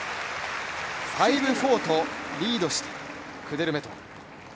５−４とリードしているクデルメトワ。